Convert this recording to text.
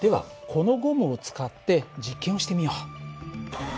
このゴムを使って実験をしてみよう。